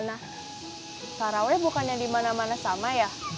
anda tahu tarawih bukan yang dimana mana sama ya